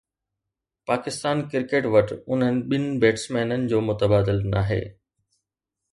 Pakistan cricket وٽ انهن ٻن بيٽسمينن جو متبادل ناهي